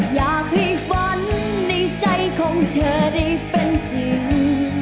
อยากให้ฝันในใจของเธอได้เป็นจริง